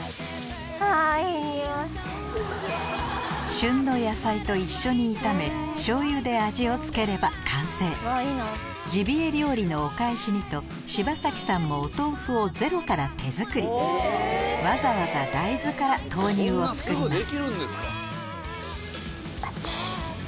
旬の野菜と一緒に炒め醤油で味を付ければ完成ジビエ料理のお返しにと柴咲さんもお豆腐をゼロから手作りわざわざ大豆から豆乳を作ります